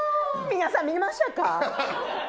皆さん、見ましたか。